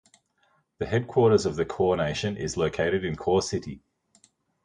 The headquarters of the Kaw Nation is located in Kaw City.